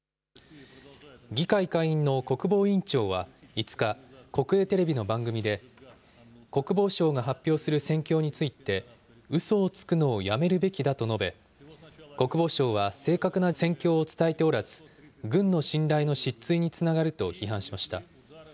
議会下院の国防委員長は５日、国営テレビの番組で、国防省が発表する戦況について、うそをつくのをやめるべきだと述べ、国防省は正確な戦況を伝えておらず、軍の信頼の失墜につながると批判しました。